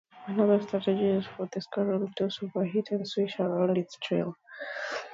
Another strategy is for a squirrel to super-heat and swish around its tail.